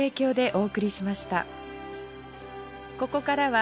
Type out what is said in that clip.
お！